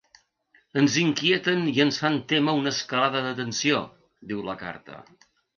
Ens inquieten i ens fan témer una escalada de tensió, diu la carta.